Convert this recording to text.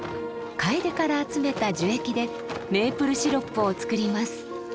カエデから集めた樹液でメープルシロップを作ります。